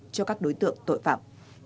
cho các đối tượng tội phạm